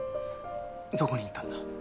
どこに行ったんだ？